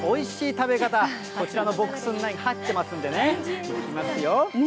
食べ方、こちらのボックス内に入ってますんでね、いきますよ。